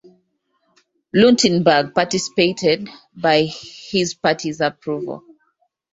Rutenberg participated, by his party's approval.